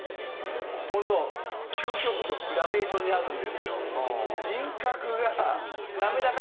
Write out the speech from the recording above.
この究極のグラデーションにあるんですよ。